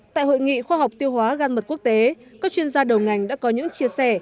tại hội nghị khoa học tiêu hóa gan mật quốc tế các chuyên gia đầu ngành đã có những chia sẻ